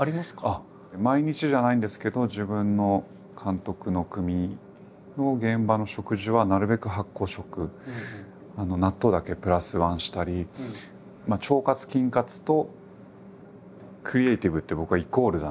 あっ毎日じゃないんですけど自分の監督の組の現場の食事はなるべく発酵食納豆だけプラスワンしたり。ということが分かってきたので。